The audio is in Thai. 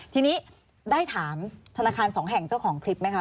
ทีนี้ได้ถามธนาคารสองแห่งเจ้าของคลิปไหมคะ